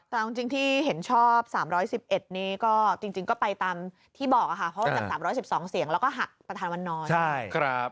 แต่เอาจริงที่เห็นชอบ๓๑๑นี้ก็จริงก็ไปตามที่บอกค่ะเพราะว่าจาก๓๑๒เสียงแล้วก็หักประธานวันนอน